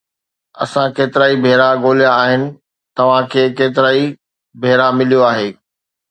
اسان ڪيترائي ڀيرا ڳوليا آهن، توهان کي ڪيترائي ڀيرا مليو آهي